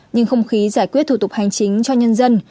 nhưng không khí giải quyết thủ tục hành chính cho nhân dân